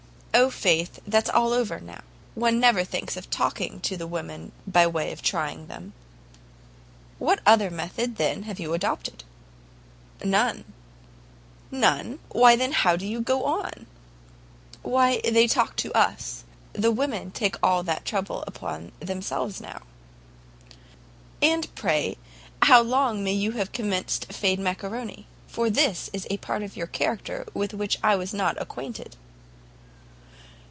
"O, faith, that's all over, now; one never thinks of talking to the women by way of trying them." "What other method, then, have you adopted?" "None." "None? Why, then, how do you go on?" "Why, they talk to us. The women take all that trouble upon themselves now." "And pray how long may you have commenced fade macaroni? For this is a part of your character with which I was not acquainted."